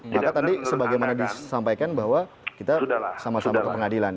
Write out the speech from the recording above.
maka tadi sebagaimana disampaikan bahwa kita sama sama ke pengadilan